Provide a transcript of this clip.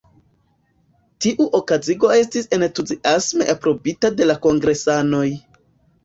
Tiu okazigo estis entuziasme aprobita de la kongresanoj.